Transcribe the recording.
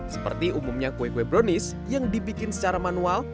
seperti umumnya kue kue brownies yang dibikin secara manual